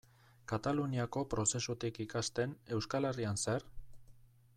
Kataluniako prozesutik ikasten, Euskal Herrian zer?